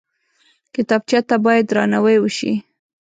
کتابچه ته باید درناوی وشي